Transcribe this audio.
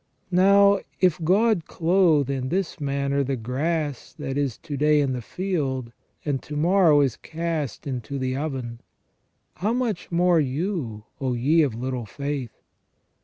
Now if God clothe in this manner the grass that is to day in the field, and to morrow is cast into the oven : how much more you, O ye of little faith.